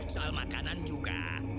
soal makanan juga